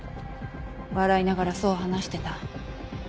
笑いながらそう話してた。